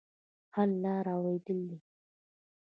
حل لاره اورېدل دي.